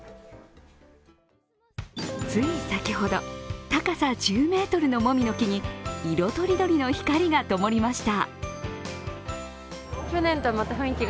つい先ほど、高さ１０ｍのもみの木に色とりどりの光がともりました。